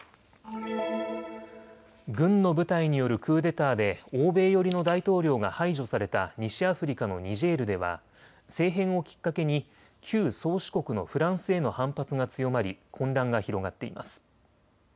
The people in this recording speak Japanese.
軍の部隊によるクーデターで欧米寄りの大統領が排除された西アフリカのニジェールでは政変をきっかけに旧宗主国のフランスへの反発が強まり混乱が広がっています。